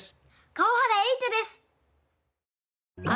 川原瑛都です。